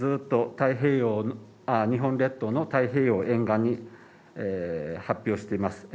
ずっと太平洋日本列島の太平洋沿岸に発表しています